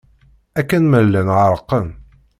Akken ma llan ɣerqen.